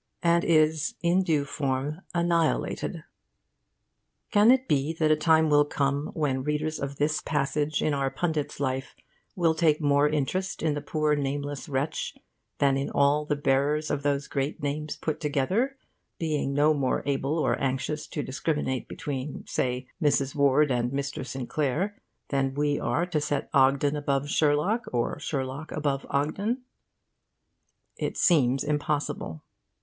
and is in due form annihilated. Can it be that a time will come when readers of this passage in our pundit's Life will take more interest in the poor nameless wretch than in all the bearers of those great names put together, being no more able or anxious to discriminate between (say) Mrs. Ward and Mr. Sinclair than we are to set Ogden above Sherlock, or Sherlock above Ogden? It seems impossible.